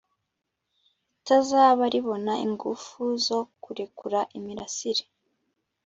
ritazaba ribona ingufu zo kurekura imirasire